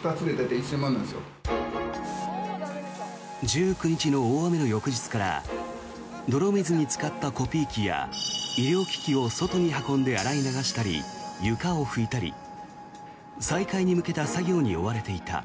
１９日の大雨の翌日から泥水につかったコピー機や医療機器を外に運んで洗い流したり、床を拭いたり再開に向けた作業に追われていた。